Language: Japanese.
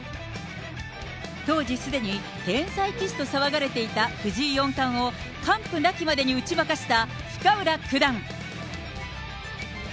当時、すでに天才棋士と騒がれていた藤井四冠を、完膚なきまでに打ち負かした深浦九段。